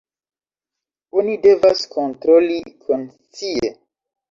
Oni devas kontroli konscie.